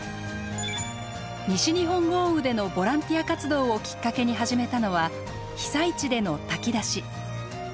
西日本豪雨でのボランティア活動をきっかけに始めたのは被災地での炊き出し。